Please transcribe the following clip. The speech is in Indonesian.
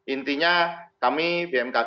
intinya kami bmkg berpengaruh